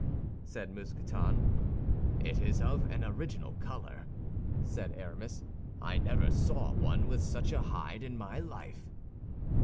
said Mousqueton. "It is of an original color," said Aramis; "I never saw one with such a hide in my life."